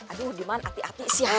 aduh diman hati hati siang